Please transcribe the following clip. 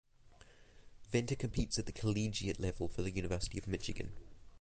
Venter competes at the collegiate level for the University of Michigan.